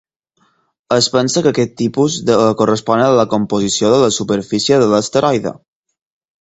Es pensa que aquests tipus corresponen a la composició de la superfície de l'asteroide.